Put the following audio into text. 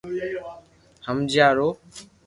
ھمجيا رو